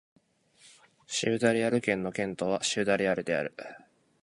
シウダ・レアル県の県都はシウダ・レアルである